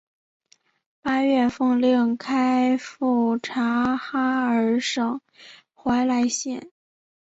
八月奉令开赴察哈尔省怀来县。